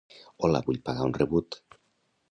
Hola vull pagar un rebut.